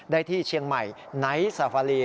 ได้ที่เชียงใหม่ไนท์ซาฟาลี